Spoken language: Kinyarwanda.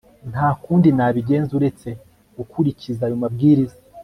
Nta kundi nabigenza uretse gukurikiza ayo mabwiriza